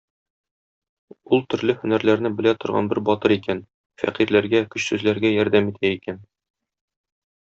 Ул төрле һөнәрләрне белә торган бер батыр икән, фәкыйрьләргә, көчсезләргә ярдәм итә икән.